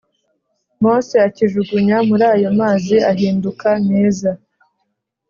Mose akijugunya muri ayo mazi ahinduka meza